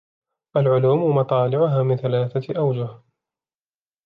الْعُلُومُ مَطَالِعُهَا مِنْ ثَلَاثَةِ أَوْجُهٍ